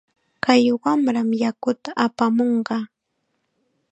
Kay wamram yakuta apamunqa.